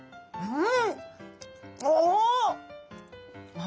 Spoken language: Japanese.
うん！